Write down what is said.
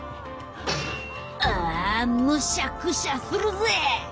ああむしゃくしゃするぜ！